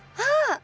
ああ！